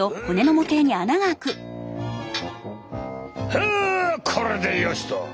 フこれでよしと！